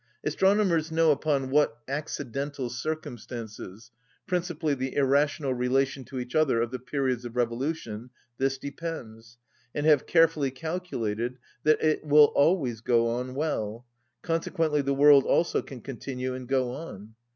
Astronomers know upon what accidental circumstances—principally the irrational relation to each other of the periods of revolution—this depends, and have carefully calculated that it will always go on well; consequently the world also can continue and go on.